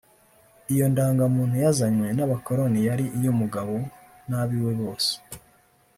Iyo ndangamuntu yazanywe n’abakoroni yari iy’umugabo n’ab’iwe bose